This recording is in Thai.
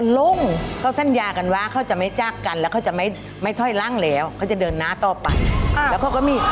แล้วเขาจะไม่ถอยรังแล้วเขาจะเดินหน้าต่อไป